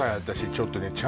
私ちょっとね